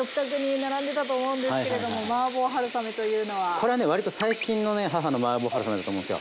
これはね割と最近のね母のマーボー春雨だと思うんですよ。